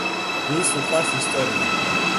ვის უყვარს ისტორია.